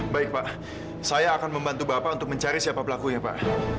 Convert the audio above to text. baik pak saya akan membantu bapak untuk mencari siapa pelakunya pak